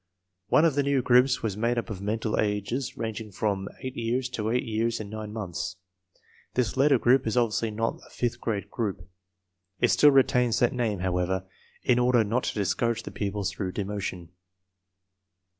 One of the new groups was made up of mental ages ranging from 8 years to 8 years and 9 months. This latter group is obviously not a fifth grade group. It still retains that name, however, in order not to discourage the pupils through demotion.